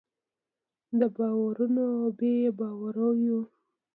د باورونو او بې باوریو